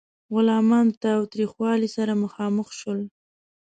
غلامان تاوتریخوالي سره مخامخ شول.